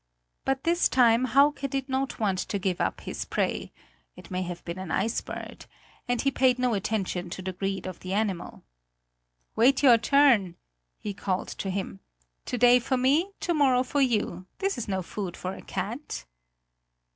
But this time Hauke did not want to give up his prey it may have been an ice bird and he paid no attention to the greed of the animal. "Wait your turn!" he called to him. "To day for me, to morrow for you; this is no food for a cat!"